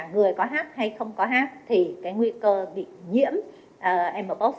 người có hát hay không có hát thì cái nguy cơ bị nhiễm m a p o s